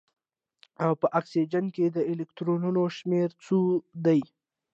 او په اکسیجن کې د الکترونونو شمیر څو دی